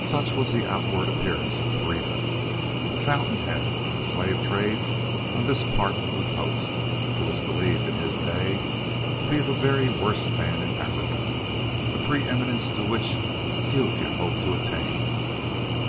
Such was the outward appearance of Pereira, the fountain head of the slave trade on this part of the coast, who was believed in his day to be the very worst man in Africa, a pre eminence to which few can hope to attain.